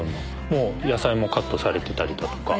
もう野菜もカットされてたりとか。